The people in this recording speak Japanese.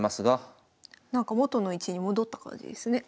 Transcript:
なんか元の位置に戻った感じですね